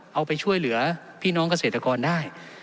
เอาไปช่วยเหลือพี่น้องเกษตรกรได้